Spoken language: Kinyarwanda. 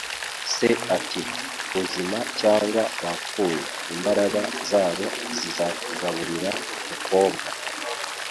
Se ati: "Uzima cyangwa wapfuye, imbaraga zabo zizakugaburira, mukobwa".